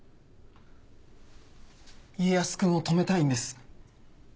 家康君を止めたいんです。